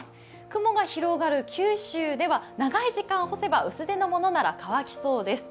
雲が広がる九州では長い時間たてば薄手のものなら乾きそうです。